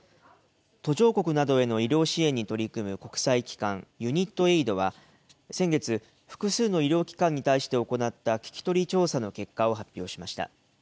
途上国などへの医療支援に取り組む国際機関、ＵＮＩＴＡＩＤは、先月、複数の医療機関に対して行った聞き取り調査の結果を発表しました。